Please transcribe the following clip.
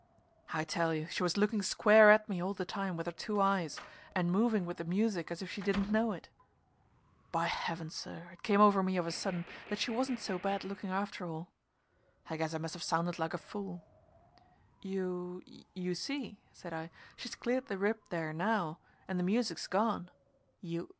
I tell you she was looking square at me all the time with her two eyes and moving with the music as if she didn't know it. By heavens, sir, it came over me of a sudden that she wasn't so bad looking, after all. I guess I must have sounded like a fool. "You you see," said I, "she's cleared the rip there now, and the music's gone.